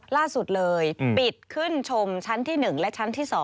ล่าสุดเลยปิดขึ้นชมชั้นที่๑และชั้นที่๒